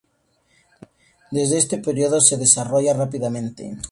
Desde este período se desarrolla rápidamente.